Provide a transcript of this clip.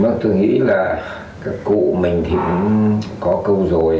mình thường nghĩ là các cụ mình thì cũng có câu rồi